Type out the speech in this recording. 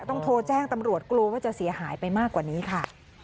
ต้องโทรแจ้งตำรวจกลัวว่าจะเสียหายไปมากกว่านี้ค่ะ